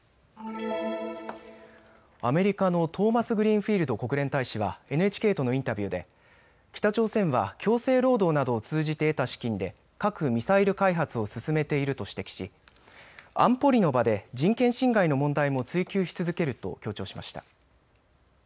アメリカのトーマスグリーンフィールド国連大使はＮＨＫとのインタビューで北朝鮮は強制労働などを通じて得た資金で核・ミサイル開発を進めていると指摘し安保理の場で人権侵害の問題も追及し続けると強調しました。